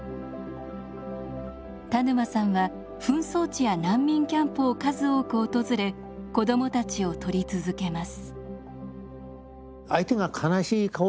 田沼さんは紛争地や難民キャンプを数多く訪れ子どもたちを撮り続けます。